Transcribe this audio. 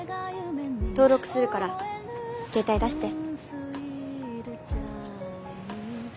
登録するから携帯出して。